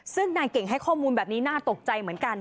ซึ่งนายเก่งให้ข้อมูลแบบนี้น่าตกใจเหมือนกัน